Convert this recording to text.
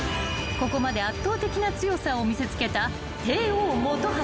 ［ここまで圧倒的な強さを見せつけた］